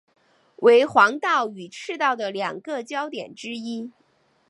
为黄道与赤道的两个交点之一。